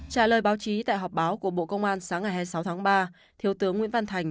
trả lời báo chí tại họp báo của bộ công an sáng ngày hai mươi sáu tháng ba thiếu tướng nguyễn văn thành